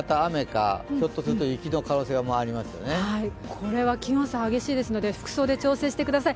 これは気温差が激しいですので、服装で調節してください。